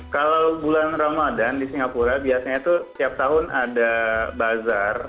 kalau bulan ramadhan di singapura biasanya itu tiap tahun ada bazar